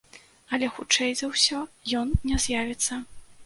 Але, хутчэй за ўсё, ён не з'явіцца.